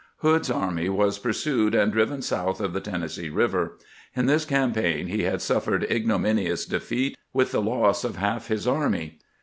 Hood's army was pursued and driven south of the Tennessee River. In this campaign he had suffered ignominious defeat, with the loss of half his army.